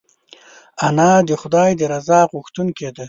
انا د خدای د رضا غوښتونکې ده